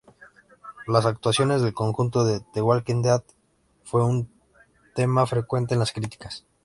Las actuaciones del conjunto "The Walking Dead" fue un tema frecuente en las críticas.